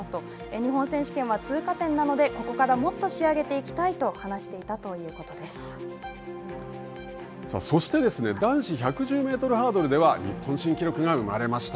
日本選手権は通過点なので、ここからもっと仕上げていきたいとそして、男子１１０メートルハードルでは、日本新記録が生まれました。